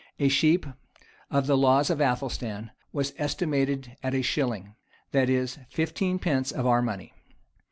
A sheep, of the laws of Athelstan, was estimated at a shilling; that is, fifteen pence of our money.